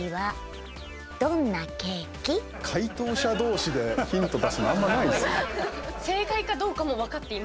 解答者同士でヒント出すのあんまないですよね。